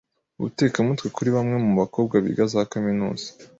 Ubutekamutwe kuri bamwe mu bakobwa biga za kaminuza